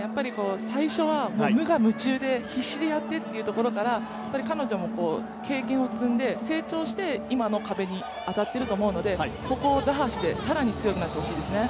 最初はもう無我夢中で、必死でやってというところから彼女も経験を積んで、成長して今の壁に当たってると思うのでここを打破して、更に強くなってほしいですね。